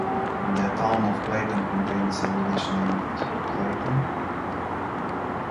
The Town of Clayton contains a village named Clayton.